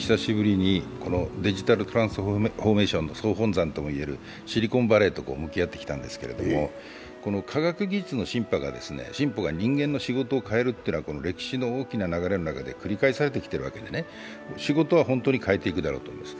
先週久しぶりにデジタルトランスフォーメーションの総本山といわれるシリコンバレーと向き合ってきたんですが、科学技術の進歩が人間の仕事を変えるというのは歴史の大きな流れの中で繰り返されてきているわけで、仕事は本当に変わると思います。